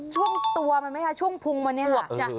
ช่วงตัวมันไหมคะช่วงพุงวันนี้